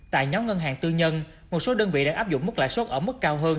tại nhóm ngân hàng tư nhân một số đơn vị đã áp dụng mức lãi suất ở mức cao hơn